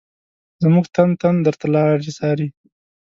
زمونږ تن تن درته لاري څاري